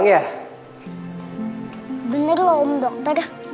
nis harus yemeknya nutritious senyap gitu ya